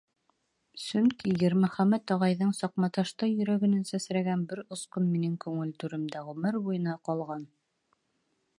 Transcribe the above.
Сөнки Йәрмөхәмәт ағайҙың саҡматаштай йөрәгенән сәсрәгән бер осҡон минең күңел түремдә ғүмер буйына ҡалған.